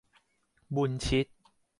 บุญชิต